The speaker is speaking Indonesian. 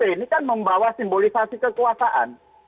ini kan membawa simbolisasi kekuasaan